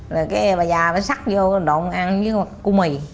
rồi cái bà già nó sắt vô độn ăn với cu mì